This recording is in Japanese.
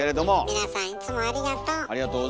皆さんいつもありがとう。